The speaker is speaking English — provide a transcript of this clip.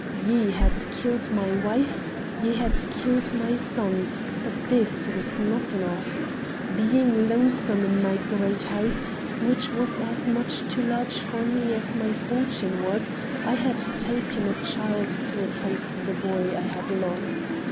"Ye had killed my wife; ye had killed my son; but this was not enough. Being lonesome in my great house, which was as much too large for me as my fortune was, I had taken a child to replace the boy I had lost.